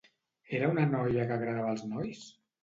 Era una noia que agradava als nois?